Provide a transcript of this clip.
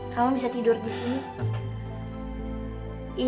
kamu bisa tidur di sini